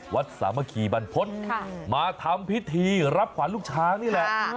วัดสามะขีบรรพลมาทำพิธีรับขวานลูกช้างนี่แหละ